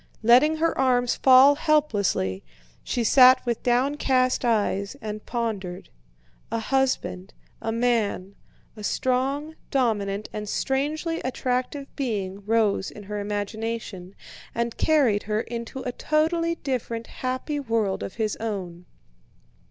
Letting her arms fall helplessly, she sat with downcast eyes and pondered. A husband, a man, a strong dominant and strangely attractive being rose in her imagination, and carried her into a totally different happy world of his own.